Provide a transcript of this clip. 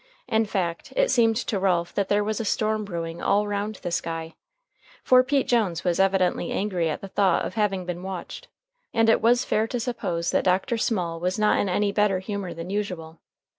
In fact, it seemed to Ralph that there was a storm brewing all round the sky. For Pete Jones was evidently angry at the thought of having been watched, and it was fair to suppose that Dr. Small was not in any better humor than usual.